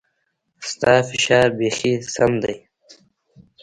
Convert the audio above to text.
ستا فشار بيخي سم ديه.